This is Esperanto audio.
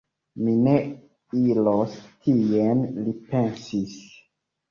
Mi ne iros tien, li pensis.